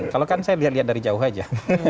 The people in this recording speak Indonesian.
kalau kan saya lihat lihat dari jauh aja